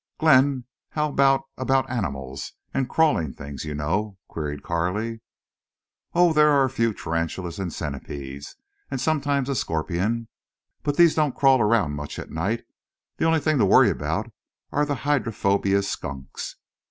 "Glenn, how about—about animals—and crawling things, you know?" queried Carley. "Oh, there are a few tarantulas and centipedes, and sometimes a scorpion. But these don't crawl around much at night. The only thing to worry about are the hydrophobia skunks."